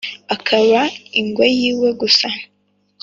akaba ingwe yiwe gusa.